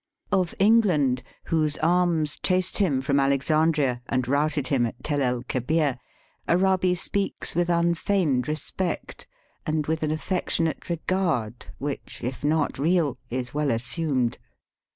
Of England, whose arms chased him from Alexandria and routed him at Tel el Kebir, Arabi speaks with unfeigned respect, and with an affectionate regard which, if not real, is well assumed.